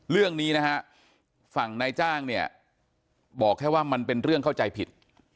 เรื่องนี้นะฮะฝั่งนายจ้างเนี่ยบอกแค่ว่ามันเป็นเรื่องเข้าใจผิด